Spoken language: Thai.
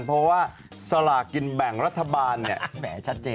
เพราะว่าศรากินแบ่งรัฐบาลเนี่ย